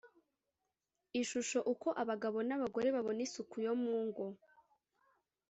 ishusho uko abagabo n abagore babona isuku yo mu ngo